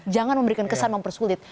jangan memberikan kesan mempersulit